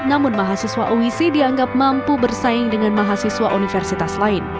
namun mahasiswa uisi dianggap mampu bersaing dengan mahasiswa universitas lain